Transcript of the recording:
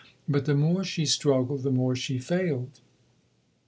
But the more she struggled, the more she failed.